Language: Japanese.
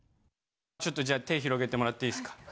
ちょっとじゃあ、手を広げてもらっていいですか？